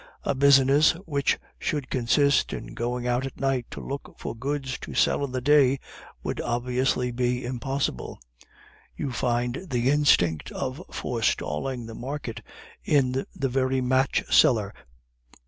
A business which should consist in going out at night to look for goods to sell in the day would obviously be impossible. You find the instinct of forestalling the market in the very match seller.